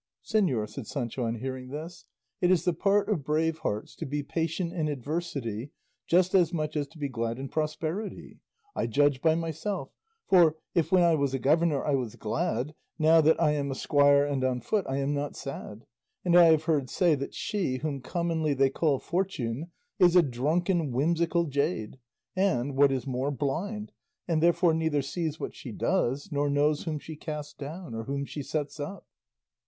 "Señor," said Sancho on hearing this, "it is the part of brave hearts to be patient in adversity just as much as to be glad in prosperity; I judge by myself, for, if when I was a governor I was glad, now that I am a squire and on foot I am not sad; and I have heard say that she whom commonly they call Fortune is a drunken whimsical jade, and, what is more, blind, and therefore neither sees what she does, nor knows whom she casts down or whom she sets up."